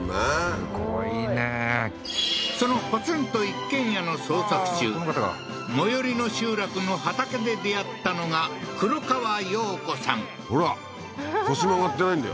すごいねそのポツンと一軒家の捜索中最寄りの集落の畑で出会ったのが黒川洋子さんほら腰曲がってないんだよ